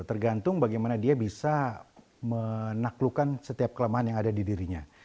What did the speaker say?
tergantung bagaimana dia bisa menaklukkan setiap kelemahan yang ada di dirinya